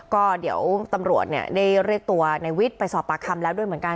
ก็เดี๋ยวตำรวจได้เรียกตัวในวิทย์ไปสอบปากคำแล้วด้วยเหมือนกัน